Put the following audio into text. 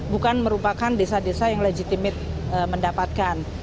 bukan merupakan desa desa yang legitimit mendapatkan